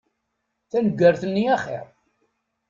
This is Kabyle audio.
Taneggart-nni axir.